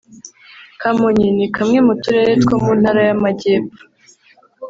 Kamonyi ni kamwe mu turere two mu Ntara y’Amajyepfo